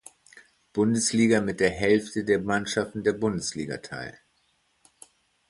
Bundesliga mit der Hälfte der Mannschaften der Bundesliga teil.